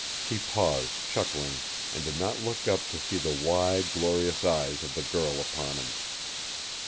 ] He paused, chuckling, and did not look up to see the wide, glorious eyes of the girl upon him.